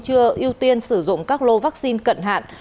chưa ưu tiên sử dụng các lô vaccine cận hạn